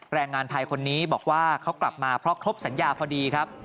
แรงงานไทยคนนี้บอกว่าเขากลับมาเพราะครบสัญญาพอดีครับ